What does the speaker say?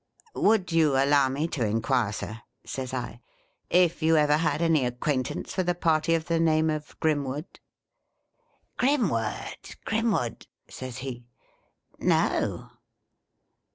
' Would you allow me to inquire, Sir,' says I, ' if you ever had any acquaintance with a party of the name of Grimwood ]'' Grimwood ! Grim wood !' says he, ' No